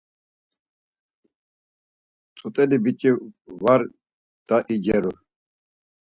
Tzut̆eli biç̌i var daiceru.